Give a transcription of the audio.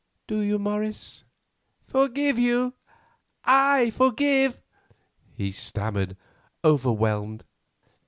Do you, Morris?" "Forgive! I forgive!" he stammered overwhelmed.